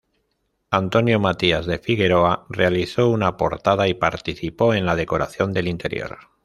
Antonio Matías de Figueroa realizó una portada y participó en la decoración del interior.